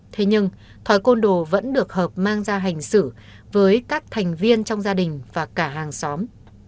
thế nhưng thói côn đồ vẫn được hợp mang ra hành xử với các thành viên trong gia đình và cả hàng xóm